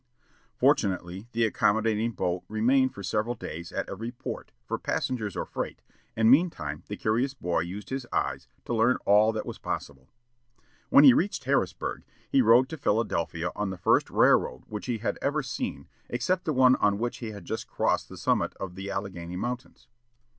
Fortunately the accommodating boat remained for several days at every port, for passengers or freight, and meantime the curious boy used his eyes to learn all that was possible. When he reached Harrisburg, he rode to Philadelphia on the first railroad which he had ever seen except the one on which he had just crossed the summit of the Alleghany Mountains.